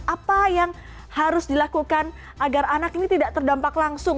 apa yang harus dilakukan agar anak ini tidak terdampak langsung